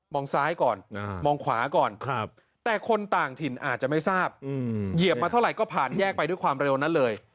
ซ้ายก่อนมองขวาก่อนแต่คนต่างถิ่นอาจจะไม่ทราบเหยียบมาเท่าไหร่ก็ผ่านแยกไปด้วยความเร็วนั้นเลย